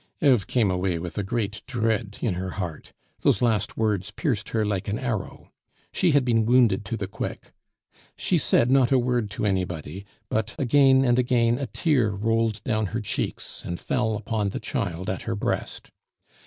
Eve came away with a great dread in her heart; those last words pierced her like an arrow. She had been wounded to the quick. She said not a word to anybody, but again and again a tear rolled down her cheeks, and fell upon the child at her breast.